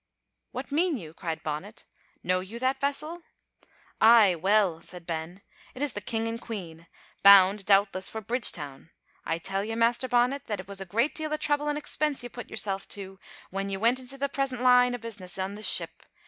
"What mean you?" cried Bonnet. "Know you that vessel?" "Ay, weel," said Ben, "it is the King and Queen, bound, doubtless, for Bridgetown. I tell ye, Master Bonnet, that it was a great deal o' trouble an' expense ye put yersel' to when ye went into your present line o' business on this ship.